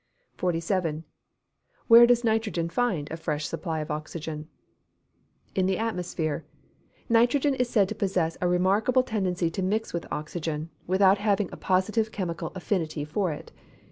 47. Where does nitrogen find a fresh supply of oxygen? In the atmosphere. Nitrogen is said to possess a remarkable tendency to mix with oxygen, without having a positive chemical affinity for it.